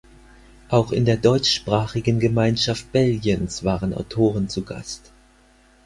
Auch in der Deutschsprachigen Gemeinschaft Belgiens waren Autoren zu Gast.